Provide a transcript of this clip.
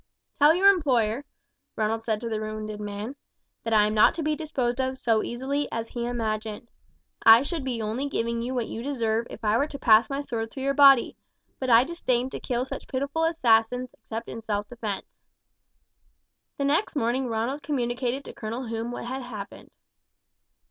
"Tell your employer," Ronald said to the wounded man, "that I am not to be disposed of so easily as he imagined. I should be only giving you what you deserve if I were to pass my sword through your body; but I disdain to kill such pitiful assassins except in self defence." The next morning Ronald communicated to Colonel Hume what had happened.